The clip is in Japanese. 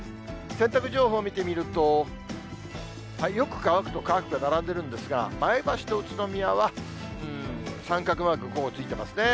洗濯情報を見てみると、よく乾くと乾くが並んでるんですが、前橋と宇都宮は、三角マーク、午後ついてますね。